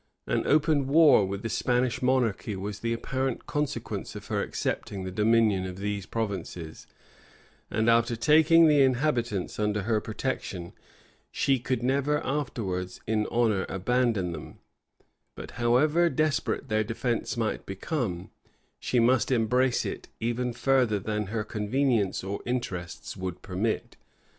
An open war with the Spanish monarchy was the apparent consequence of her accepting the dominion of these provinces; and after taking the inhabitants under her protection, she could never afterwards in honor abandon them, but, however desperate their defence might become, she must embrace it, even further than her convenience or interests would permit.